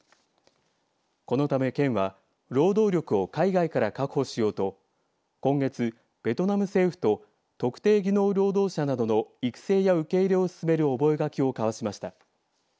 このため県は労働力を海外から確保しようと今月、ベトナム政府と特定技能労働者などの育成や受け入れを進める覚書を交わしました。